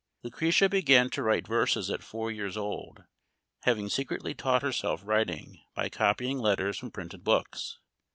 Lucretia began to write verses at four years old, having secretly taught herself writing by copying letters from printed books.